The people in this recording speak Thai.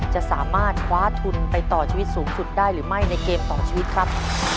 จะสามารถคว้าทุนไปต่อชีวิตสูงสุดได้หรือไม่ในเกมต่อชีวิตครับ